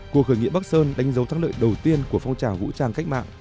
cuộc khởi nghĩa bắc sơn đánh dấu thắng lợi đầu tiên của phong trào vũ trang cách mạng